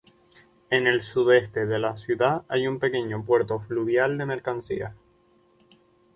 En el sudeste de la ciudad hay un pequeño puerto fluvial de mercancías.